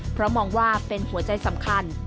เพราะมองว่าเป็นหัวใจสำคัญ